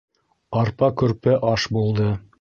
Арпа-көрпә аш булды